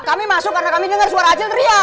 kami masuk karena kami dengar suara aceh teriak